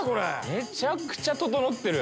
めちゃくちゃ整ってる。